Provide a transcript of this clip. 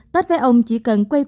tết với ông chỉ cần quay qua